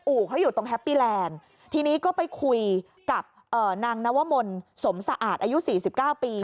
เขาอยู่ตรงแฮปปี้แลนด์ทีนี้ก็ไปคุยกับนางนวมลสมสะอาดอายุสี่สิบเก้าปี